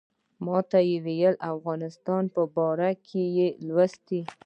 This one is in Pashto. ماته یې ویل د افغانستان باره کې یې لوستي.